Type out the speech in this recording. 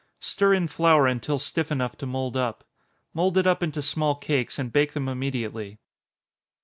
Stir in flour until stiff enough to mould up. Mould it up into small cakes, and bake them immediately.